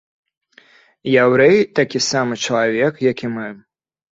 Яўрэй такі самы чалавек, як і мы.